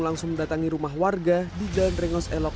langsung mendatangi rumah warga di jalan rengos elok